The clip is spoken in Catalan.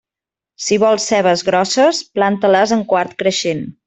Si vols cebes grosses, planta-les en quart creixent.